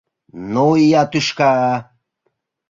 — Ну, ия тӱшка!